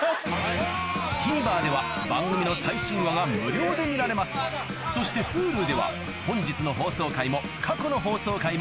ＴＶｅｒでは番組の最新話が無料で見られますそしてＨｕｌｕでは本日の放送回も過去の放送回もいつでもどこでも見られます